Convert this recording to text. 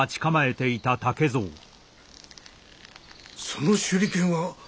その手裏剣は。